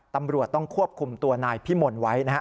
ตำรวจต้องควบคุมตัวนายพิมลไว้นะฮะ